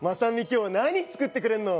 今日何作ってくれんの？